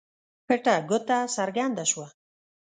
پټه ګوته څرګنده شوه.